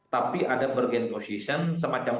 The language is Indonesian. tapi ada bergen position semacam